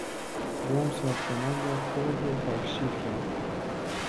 بمب ساختمان را خردو خاک شیر کرد.